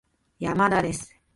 山田です